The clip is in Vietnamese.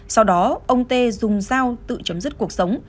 sau đó ông tê dùng dao tự chấm dứt cuộc sống